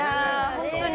本当に。